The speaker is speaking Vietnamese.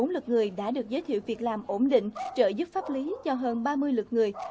bốn mươi lượt người đã được giới thiệu việc làm ổn định trợ giúp pháp lý cho hơn ba mươi lượt người